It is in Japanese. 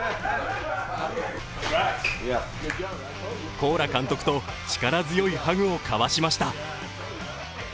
コーラ監督と力強いハグを交わしました。